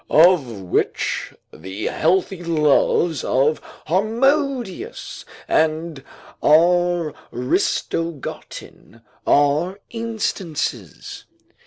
Of which the healthy loves of Harmodius and Aristogiton are instances.